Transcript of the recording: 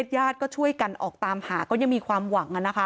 ญาติก็ช่วยกันออกตามหาก็ยังมีความหวัง